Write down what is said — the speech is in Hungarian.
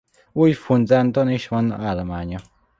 Új-Fundlandon is van állománya.